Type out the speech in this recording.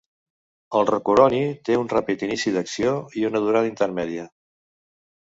El rocuroni té un ràpid inici d'acció i una durada intermèdia.